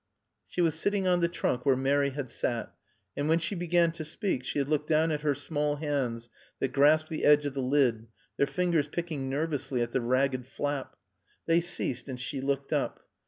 She was sitting on the trunk where Mary had sat, and when she began to speak she had looked down at her small hands that grasped the edge of the lid, their fingers picking nervously at the ragged flap. They ceased and she looked up.